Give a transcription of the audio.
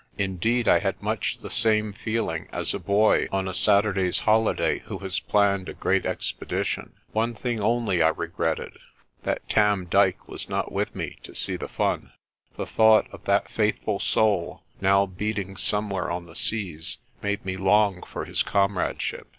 Indeed, I had much the same feeling as a boy on a Saturday's holiday who has planned a great expe dition. One thing only I regretted that Tarn Dyke was not with me to see the fun. The thought of that faithful soul, now beating somewhere on the seas, made me long for his comradeship.